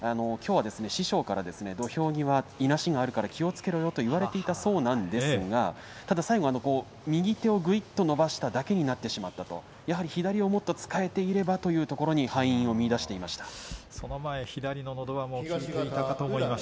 きょうは師匠からは土俵際でいなしがあるから気をつけろよと言われていたそうなんですがただ最後右手をぐいっと伸ばしただけになってしまったやはり左をもっと使えていればというところに敗因を見いだしていました。